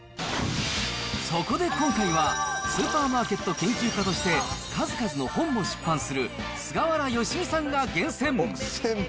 そこで今回は、スーパーマーケット研究家として数々の本も出版する菅原佳己さんが厳選。